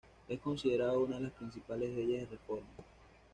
Es considerada una de las principales Leyes de Reforma.